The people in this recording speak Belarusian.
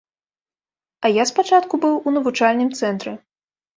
А я спачатку быў у навучальным цэнтры.